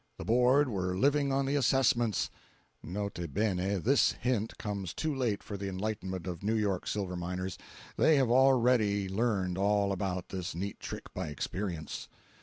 The Board were living on the "assessments." [N.B.—This hint comes too late for the enlightenment of New York silver miners; they have already learned all about this neat trick by experience.